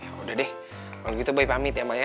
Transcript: ya udah deh kalau gitu bayi pamit ya maya